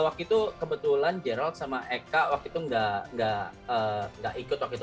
waktu itu kebetulan gerald sama eka waktu itu gak ikut